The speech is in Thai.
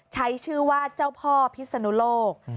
ใช้ชื่อว่าเจ้าพ่อพิศนุโลก